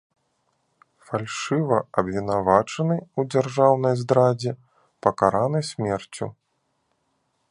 Фальшыва абвінавачаны ў дзяржаўнай здрадзе, пакараны смерцю.